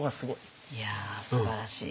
いやすばらしい。